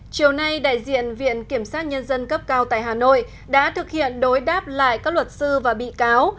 chiều nay đại diện viện kiểm sát nhân dân cấp cao tại hà nội đã thực hiện đối đáp lại các luật sư và bị cáo